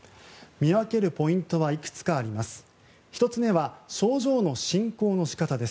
見分けるポイントはいくつかあります。